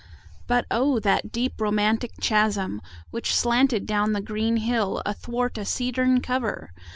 But O, that deep romantic chasm which slanted Down the green hill athwart a cedarn cover!